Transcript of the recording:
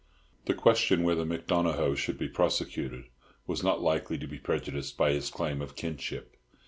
The question whether Mick Donohoe should be prosecuted was not likely to be prejudiced by his claim of kinship.